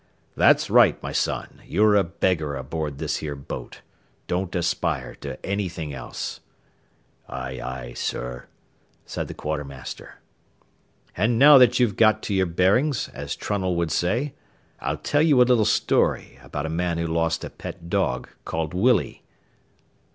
"That's right, my son; you're a beggar aboard this here boat. Don't aspire to anything else." "Aye, aye, sir," said the quartermaster. "And now that you've got to your bearings, as Trunnell would say, I'll tell you a little story about a man who lost a pet dog called Willie."